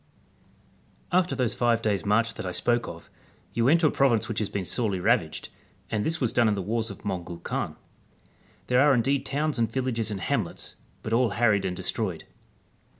After those live days' marcli that I spoke of, you enter a province which has been sorely ravaged ; and this was done in the wars of Mongu Kaan. There are indeed towns and \ illages and hamlets, but all harried and destroyed.'